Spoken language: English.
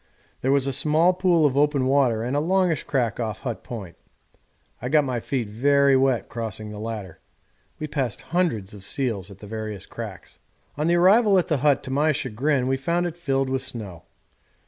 There was a small pool of open water and a longish crack off Hut Point. I got my feet very wet crossing the latter. We passed hundreds of seals at the various cracks. On the arrival at the hut to my chagrin we found it filled with snow.